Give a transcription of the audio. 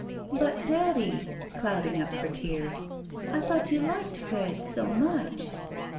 "But, daddy," clouding up for tears, "I thought you liked Fred so much!"